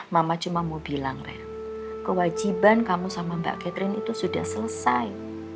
mama cuma mau bilang reh kewajiban kamu sama mbak catherine itu sudah selesai